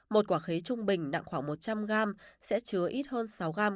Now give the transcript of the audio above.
một quả khế trung bình nặng khoảng một trăm linh gram sẽ chứa ít hơn sáu g